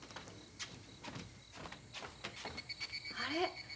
あれ？